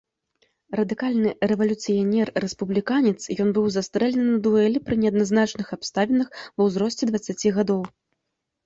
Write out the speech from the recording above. Радыкальны рэвалюцыянер-рэспубліканец, ён быў застрэлены на дуэлі пры неадназначных абставінах ва ўзросце дваццаці гадоў.